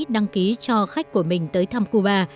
đăng ký cho khách của mình tới thăm cuba